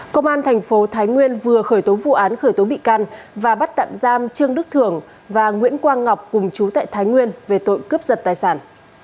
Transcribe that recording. công an thành phố thái nguyên vừa khởi tố vụ án khởi tố bị can và bắt tạm giam trương đức thưởng và nguyễn quang ngọc cùng chú tại thái nguyên về tội cướp giật tài sản